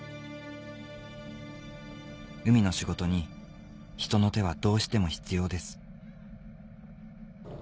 海の仕事に人の手はどうしても必要です